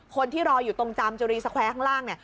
คนที่รออยู่ตรงจามจุรีสแวร์ข้างล่าง